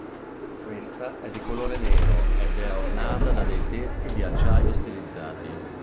Questa è di colore nero ed è ornata da dei teschi di acciaio stilizzati.